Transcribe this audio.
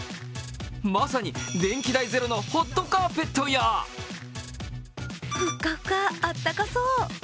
まさに電気代ゼロのホットカーペットやフッカフカ、あったかそう。